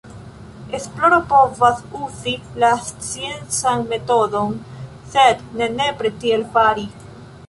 Esploro povas uzi la sciencan metodon, sed ne nepre tiel fari.